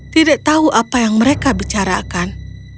tidak tahu apa yang mereka bicarakan